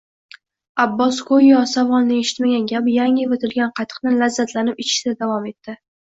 Abbos go`yo savolni eshitmagan kabi yangi ivitilgan qatiqni lazzatlanib ichishda davom etdi